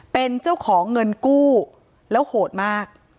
เป็นเจ้าของเงินกู้แล้วโหดมาก